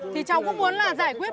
thì cháu cũng muốn là giải quyết